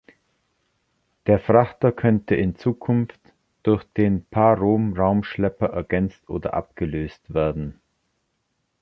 Der Frachter könnte in Zukunft durch den Parom-Raumschlepper ergänzt oder abgelöst werden.